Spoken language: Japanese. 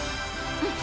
うん！